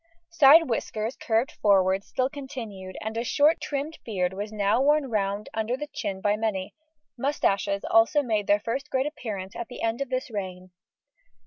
Side whiskers, curved forward, still continued, and a short trimmed beard was now worn round under the chin by many, moustaches also made their first appearance at the end of this reign.